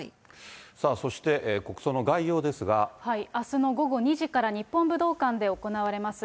さあ、そして、あすの午後２時から日本武道館で行われます。